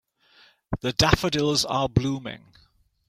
The daffodils are blooming.